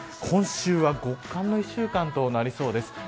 今週は極寒の１週間となりそうです。